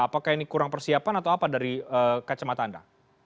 apakah ini kurang persiapan atau apa dari kacamata anda